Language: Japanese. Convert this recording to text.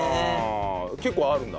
結構あるんだ？